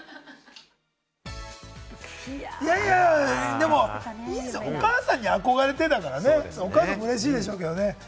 でもいいですね、お母さんに憧れてだからね、お母さん、うれしいでしょうけどね。